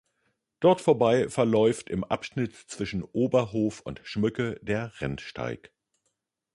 Dort vorbei verläuft im Abschnitt zwischen Oberhof und Schmücke der Rennsteig.